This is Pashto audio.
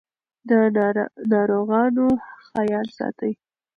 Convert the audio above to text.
د ناروغانو خیال ساتئ.